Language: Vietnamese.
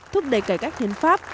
thúc đẩy cải cách hiến pháp